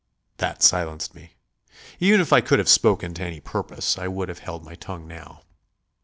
That silenced me. Even if I could have spoken to any purpose, I would have held my tongue now.